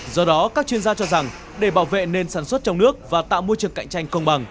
do đó các chuyên gia cho rằng để bảo vệ nền sản xuất trong nước và tạo môi trường cạnh tranh công bằng